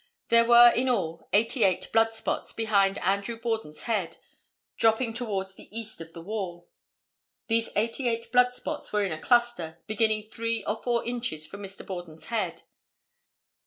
There were in all eighty eight blood spots behind Andrew Borden's head, dropping towards the east on the wall. These eighty eight blood spots were in a cluster, beginning three or four inches from Mr. Borden's head.